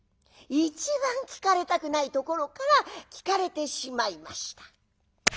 一番聞かれたくないところから聞かれてしまいました。